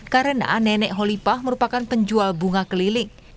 karena nenek holipah merupakan penjual bunga keliling